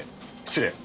失礼。